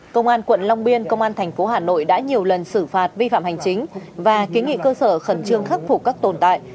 công an quận long biên công an thành phố hà nội đã nhiều lần xử phạt vi phạm hành chính và kiến nghị cơ sở khẩn trương khắc phục các tồn tại